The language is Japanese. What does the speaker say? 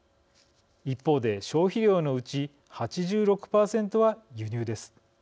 一方で消費量のうち８６％は輸入です。